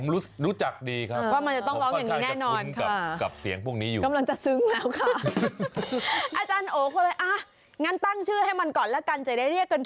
ร้องยังไงคะคุณฉนัย